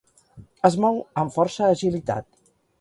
Es mou amb força agilitat.